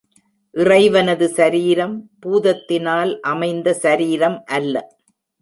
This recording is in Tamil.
இறைவனது சரீரம் பூதத்தினால் அமைந்த சரீரம் அல்ல.